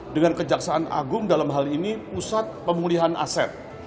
dengan kejaksaan agung dalam hal ini pusat pemulihan aset